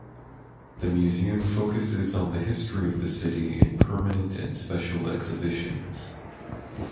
The museum focuses on the history of the city in permanent and special exhibitions.